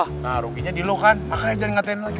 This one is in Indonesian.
nah ruginya di lu kan makanya jangan ngatain lagi